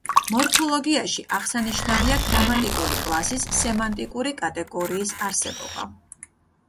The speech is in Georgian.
მორფოლოგიაში აღსანიშნავია გრამატიკული კლასის სემანტიკური კატეგორიის არსებობა.